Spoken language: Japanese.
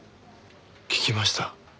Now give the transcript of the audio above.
聞きました。